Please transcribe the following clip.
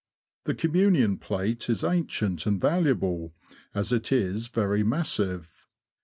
The Communion plate is ancient and valuable, as it is very massive.